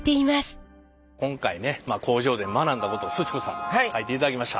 今回ね工場で学んだことをすち子さんに書いていただきました。